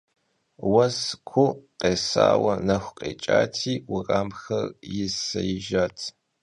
Vues kuu khêsaue nexu khêç'ati, vueramxer yisêijjat.